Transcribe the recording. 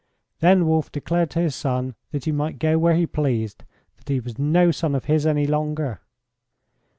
Then Wolf declared to his son that he might go where he pleased that he was no son of his any longer.